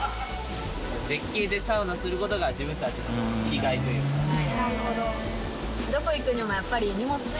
絶景でサウナする事が自分たちの生きがいというか。